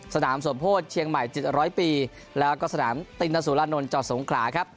สนามสมโพธิเชียงใหม่๗๐๐ปีแล้วก็สนามตินสุรานนท์จอดสงขลาครับ